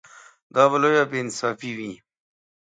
دا به لویه بې انصافي وي.